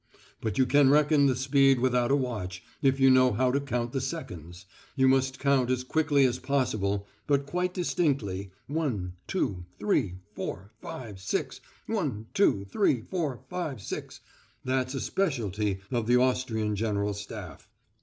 But you can reckon the speed without a watch if you know how to count the seconds you must count as quickly as possible, but quite distinctly, one, two, three, four, five, six one, two, three, four, five, six that's a speciality of the Austrian General Staff."